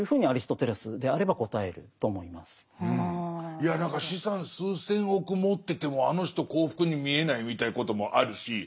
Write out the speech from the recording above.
いや何か資産数千億持っててもあの人幸福に見えないみたいなこともあるしすごく分かる。